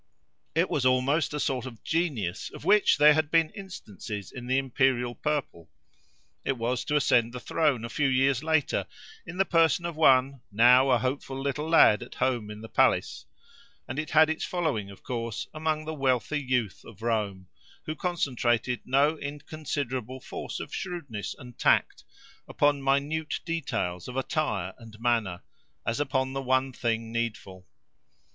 It was almost a sort of genius, of which there had been instances in the imperial purple: it was to ascend the throne, a few years later, in the person of one, now a hopeful little lad at home in the palace; and it had its following, of course, among the wealthy youth at Rome, who concentrated no inconsiderable force of shrewdness and tact upon minute details of attire and manner, as upon the one thing needful.